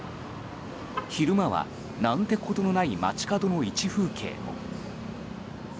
昼間は何てこともない街角の一風景。